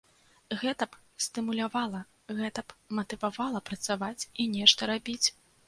Гэта б стымулявала, гэта б матывавала працаваць і нешта рабіць.